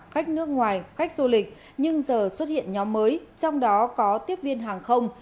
khách nước ngoài khách du lịch nhưng giờ xuất hiện nhóm mới trong đó có tiếp viên hàng không